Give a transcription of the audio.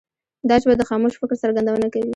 دا ژبه د خاموش فکر څرګندونه کوي.